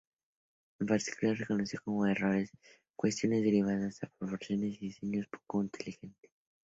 En particular, reconoció como errores cuestiones derivadas de proporciones y diseños poco inteligente.